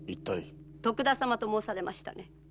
徳田様と申されましたね？